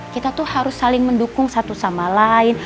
kita tuh harus saling mendukung satu sama lain